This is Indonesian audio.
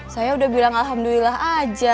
saya udah bilang alhamdulillah aja